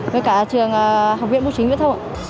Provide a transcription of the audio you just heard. với cả trường học viện bốc chính việt thu